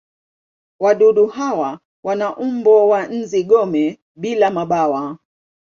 Wadudu hawa wana umbo wa nzi-gome bila mabawa.